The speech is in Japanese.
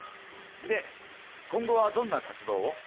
で今後はどんな活動を？